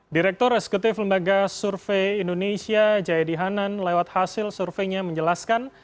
direktur eksekutif lembaga survei indonesia jayadi hanan lewat hasil surveinya menjelaskan